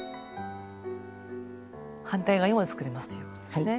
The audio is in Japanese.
反対側にも作れますということですね。